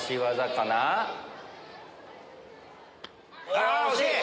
あ惜しい！